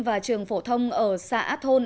và trường phổ thông ở xã thôn